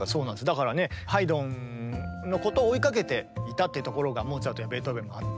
だからねハイドンのことを追いかけていたっていうところがモーツァルトやベートーベンもあって。